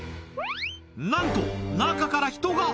なんと、中から人が。